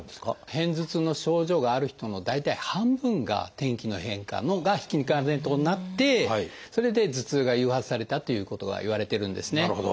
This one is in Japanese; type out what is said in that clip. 片頭痛の症状がある人の大体半分が天気の変化が引き金となってそれで頭痛が誘発されたということがいわれてるんですね。